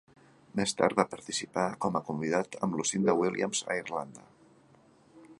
Més tard va participar com a convidat amb Lucinda Williams a Irlanda.